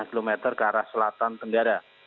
lima belas km ke arah selatan tenggara